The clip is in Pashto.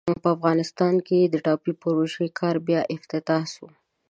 په افغانستان کې د ټاپي پروژې کار بیا افتتاح سو.